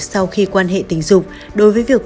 sau khi quan hệ tình dục